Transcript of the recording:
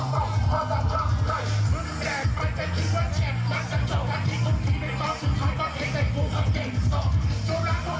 ประจำมันน่าการสนุกมากเลยค่ะคุณผู้ชม